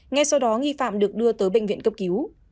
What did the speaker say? ngay sau đó nghi phạm được đưa tới bệnh viện cấp cứu